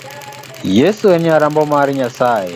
Yeso en nyarombo mar Nyasaye.